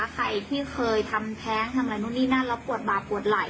ใครที่เคยทำแท้งทำอะไรนู่นนี่นั่นแล้วปวดบาปปวดไหล